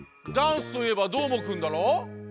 ダンスといえばどーもくんだろ？